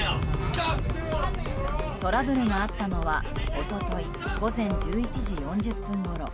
トラブルがあったのは一昨日午前１１時４０分ごろ。